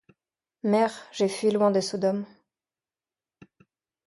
Mer j'ai fui loin des Sodomes ;